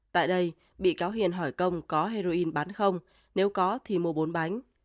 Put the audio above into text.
tại đây bị cáo hiền hỏi công có heroin bán không nếu có thì mua bốn bánh